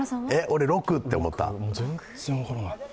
俺、６って思った。